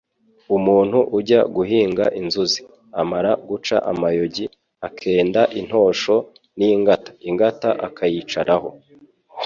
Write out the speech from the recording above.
Umuntu ujya guhinga inzuzi, amara guca amayogi, akenda intosho n’ingata ingata akayicaraho,